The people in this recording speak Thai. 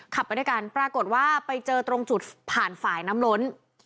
ไปด้วยกันปรากฏว่าไปเจอตรงจุดผ่านฝ่ายน้ำล้น